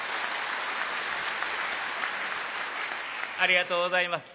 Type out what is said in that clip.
ありがとうございます。